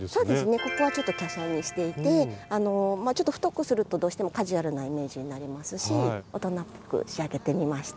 ここはちょっと華奢にしていてちょっと太くするとどうしてもカジュアルなイメージになりますし大人っぽく仕上げてみました。